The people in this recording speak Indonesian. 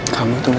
kamu tuh gak gila